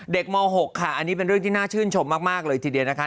ม๖ค่ะอันนี้เป็นเรื่องที่น่าชื่นชมมากเลยทีเดียวนะคะ